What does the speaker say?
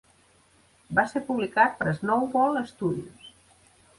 Va ser publicat per Snowball Studios.